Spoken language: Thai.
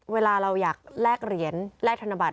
เวลาเราอยากแลกเหรียญแลกธนบัต